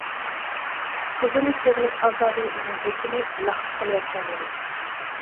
قىزىنى سېغىنىش ئازابى ئۇنىڭ يۈرىكىنى لەختە قىلىۋەتكەنىدى.